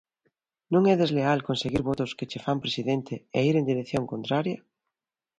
Non é desleal conseguir votos que che fan presidente e ir en dirección contraria?